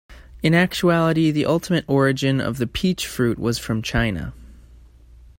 In actuality, the ultimate origin of the peach fruit was from China.